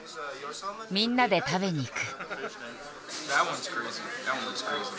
みんなで食べに行く。